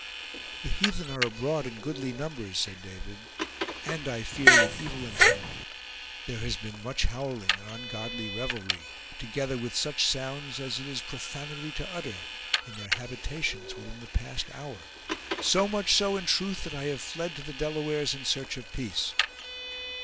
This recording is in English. "The heathen are abroad in goodly numbers," said David; "and, I fear, with evil intent. There has been much howling and ungodly revelry, together with such sounds as it is profanity to utter, in their habitations within the past hour, so much so, in truth, that I have fled to the Delawares in search of peace."